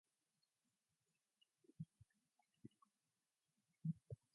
Females reach maturity at age four and bear one pup a year.